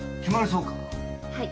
はい。